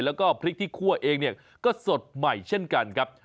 แล้วก็พริกที่คั่วเองเนี่ยก็สดใหม่เช่นกันครับ